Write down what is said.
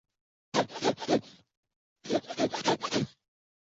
该修道院拥有的圣人圣髑是阿索斯山最多的。